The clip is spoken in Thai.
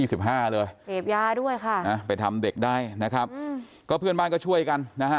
เลยเสพยาด้วยค่ะนะไปทำเด็กได้นะครับอืมก็เพื่อนบ้านก็ช่วยกันนะฮะ